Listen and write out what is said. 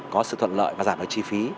có sự thuận lợi và giảm đổi chi phí